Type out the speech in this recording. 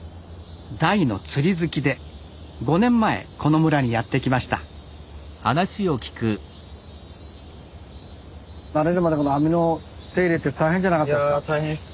大の釣り好きで５年前この村にやって来ました慣れるまでこの網の手入れって大変じゃなかったですか？